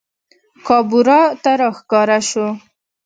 کابورا ته راښکاره سوو